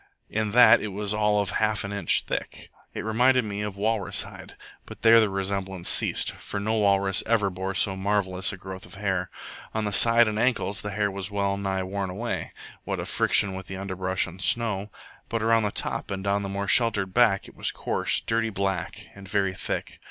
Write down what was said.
In that it was all of half an inch thick, it reminded me of walrus hide; but there the resemblance ceased, for no walrus ever bore so marvellous a growth of hair. On the side and ankles this hair was well nigh worn away, what of friction with underbrush and snow; but around the top and down the more sheltered back it was coarse, dirty black, and very thick.